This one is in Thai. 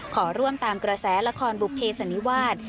ขอร่วมตามกระแสละครบุภเพสันนิวาส